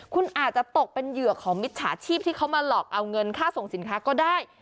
คุณอาจจะตกเป็นเหยื่อของมิจฉาชีพที่เขามาหลอกเอาเงินค่าส่งสินค้าก็ได้